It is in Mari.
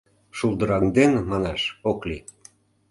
Шулдыраҥден манаш ок лий.